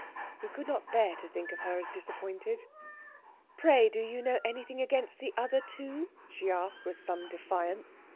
He could not bear to think of her as disappointed. "Pray, do you know anything against the other two?" she asked with some defiance.